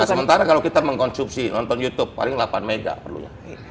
sementara kalau kita mengkonsumsi nonton youtube paling delapan mega perlunya